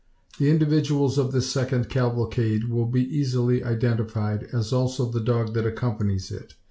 The individuals of this second cavalcade will be easily identified, as also the dog that accompanies it.